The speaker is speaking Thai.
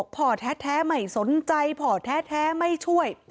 พ่อแท้ไม่สนใจพ่อแท้ไม่ช่วย